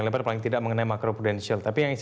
di permukaan pengawasan sebab sebut